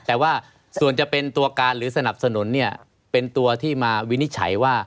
แต่ว่าส่วนจะเป็นตัวการหรือสนับสนุนเนี่ยเป็นตัวที่มาวินิจฉัยว่า